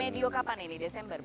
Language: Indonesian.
mediokapan ini desember betul